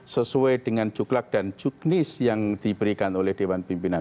sesuai dengan juklak dan juknis yang diberikan oleh dewan pimpinan